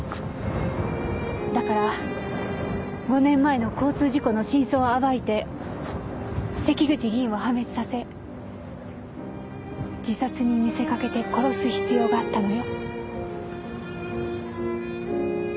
だから５年前の交通事故の真相を暴いて関口議員を破滅させ自殺に見せかけて殺す必要があったのよ。